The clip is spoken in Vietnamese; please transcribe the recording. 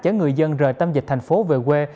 chở người dân rời tâm dịch thành phố về quê